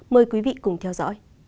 mời quý vị cùng theo dõi